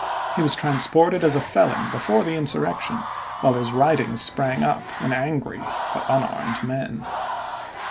He was transported as a felon before the insurrection, while his writings sprang up in angry but unarmed men.